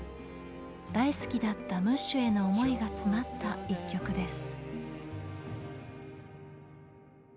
大好きだったムッシュへの思いがつまった一曲です。